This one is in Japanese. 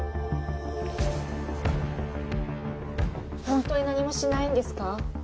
本当に何もしないんですか？